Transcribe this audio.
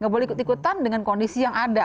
gak boleh ikut ikutan dengan kondisi yang ada